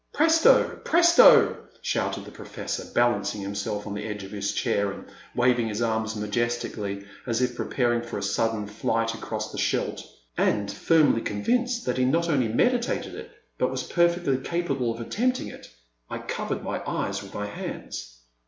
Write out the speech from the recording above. Presto ! Presto !'' shouted the Professor, balancing himself on the edge of his chair and waving his arms majestically, as if preparing for a sudden flight across the Scheldt ; and, firmly con vinced that he not only meditated it but was per fectly capable of attempting it, I covered my eyes with my hands.